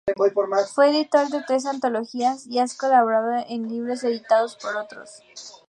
Fue editor de tres antologías y ha colaborado en libros editados por otros.